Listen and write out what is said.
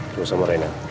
terus sama reina